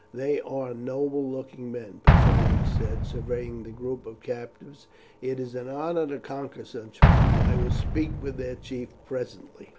"They are noble looking men," Petronius said, surveying the group of captives; "it is an honour to conquer such men. I will speak with their chief presently."